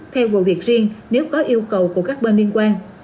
theo vụ việc riêng nếu có yêu cầu của các bên liên quan